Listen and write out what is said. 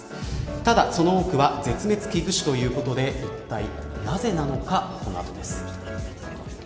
ただ、その多くは絶滅危惧種ということで一体なぜなのか、この後です。